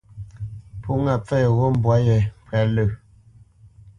Pó ŋá pfə yeghó mbwǎ yé ŋkwɛ́t lə̂.